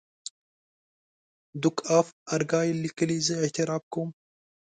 ډوک آف ارګایل لیکي زه اعتراف کوم.